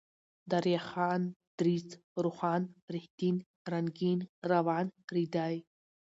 دريا خان ، دريځ ، روښان ، رښتين ، رنگين ، روان ، ريدی